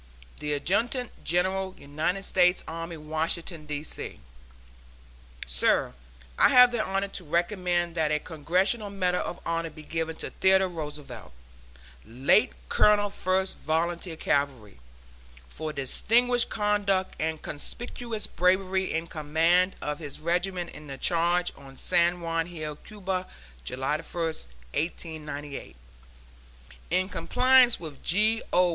THE ADJUTANT GENERAL, UNITED STATES ARMY, Washington, D. C. SIR: I have the honor to recommend that a "Congressional Medal of Honor" be given to Theodore Roosevelt (late Colonel First Volunteer Cavalry), for distinguished conduct and conspicuous bravery in command of his regiment in the charge on San Juan Hill, Cuba, July 1, 1898. In compliance with G. O.